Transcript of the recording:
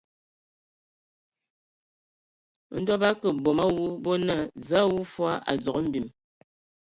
Ndɔ ndɔ bǝ akə bom a avu, bo naa : Zǝə a wu fɔɔ, a dzogo fɔɔ mbim.